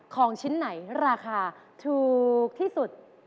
ของชิ้นไหนราคาถูกที่สุด